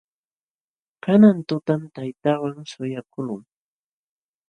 Kanan tutam taytaawan suyakuqluu.